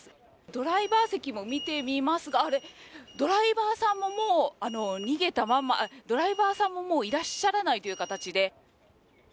ドライバー席も見てみますが、あれ、ドライバーさんももう逃げたまま、ドライバーさんももういらっしゃらないという形で。